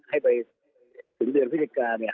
ให้ไปถึงเดือนพฤศจิกาเนี่ย